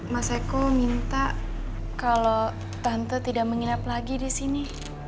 mas eko minta kalau tante tidak menginap lagi disini